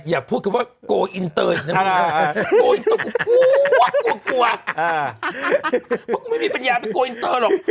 อย่าพูดว่ากล้ออินเตอร์อย่างนั้นแหละครับพวกกูไม่มีปัญญาเป็นกล้าอินเตอร์หรอก